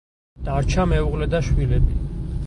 დარჩა მეუღლე და შვილები.